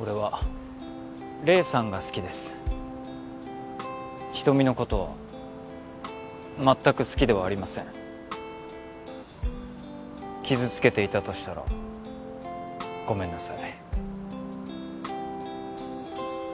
俺は黎さんが好きですひとみのことは全く好きではありません傷つけていたとしたらごめんなさい